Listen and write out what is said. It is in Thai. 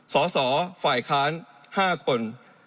สสฝ่ายค้าน๕คน